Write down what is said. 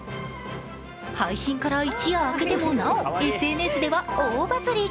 配信から一夜明けてもなお、ＳＮＳでは大バズり。